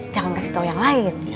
jangan kasih tahu yang lain